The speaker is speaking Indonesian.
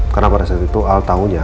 karena pada saat itu al tahunya